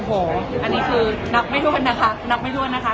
โอ้โหอันนี้คือนับไม่ถ้วนนะคะนับไม่ถ้วนนะคะ